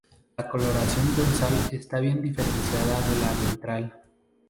La coloración dorsal está bien diferenciada de la ventral.